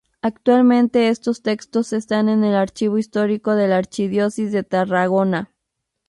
Actualmente estos textos están en el Archivo Histórico de la Archidiócesis de Tarragona.